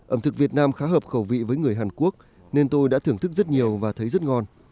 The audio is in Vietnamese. ẩm thực việt nam khá hợp khẩu vị với người hàn quốc nên tôi đã thưởng thức rất nhiều và thấy rất ngon